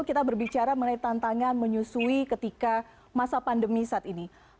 kita berbicara mengenai tantangan menyusui ketika masa pandemi saat ini